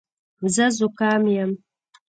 زه زکام یم.